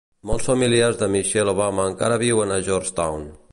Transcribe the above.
Molts familiars de Michelle Obama encara viuen a Georgetown.